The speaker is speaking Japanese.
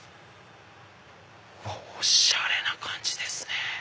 おしゃれな感じですね。